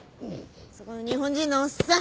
そこの日本人のおっさん。